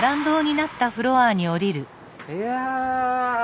いや！